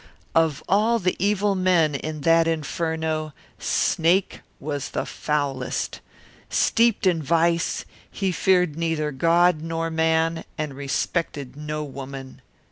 Of all the evil men in that inferno, Snake was the foulest. Steeped in vice, he feared neither God nor man, and respected no woman.